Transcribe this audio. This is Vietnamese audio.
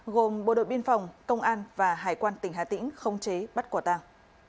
gồm bộ đội biên phòng công an và hải quan tỉnh hà tĩnh không chế bắt quả tàng